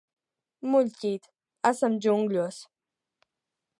Muļķīt, esam džungļos.